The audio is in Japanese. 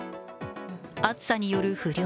暑さによる不漁。